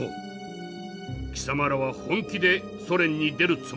貴様らは本気でソ連に出るつもりなのか？